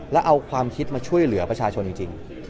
แล้วเอาความคิดมาช่วยเหลือประชาชนจริง